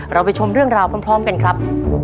เราไปชมเรื่องราวพร้อมกันครับ